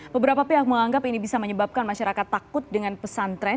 beberapa pihak menganggap ini bisa menyebabkan masyarakat takut dengan pesantren